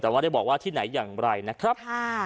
แต่ว่าได้บอกว่าที่ไหนอย่างไรนะครับ